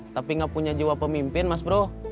tapi gak punya jiwa pemimpin mas bro